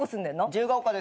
自由が丘です。